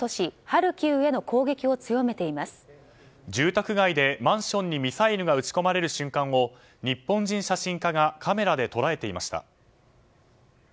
ハルキウへの住宅街でマンションにミサイルが撃ち込まれる瞬間を日本人写真家がカメラで捉えていました。